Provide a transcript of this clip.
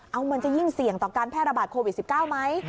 เอามันจะยิ่งเสี่ยงต่อการแพร่ระบาดโควิด๑๙ไหม